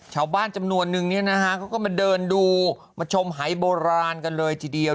ชาวบ้านจำนวนนึงเนี่ยนะฮะเขาก็มาเดินดูมาชมหายโบราณกันเลยทีเดียว